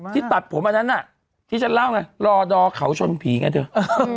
ที่ตัดผมอันนั้นที่ฉันเล่าล่อดอเขาชนผีไงเถอะ